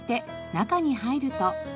中に入ると。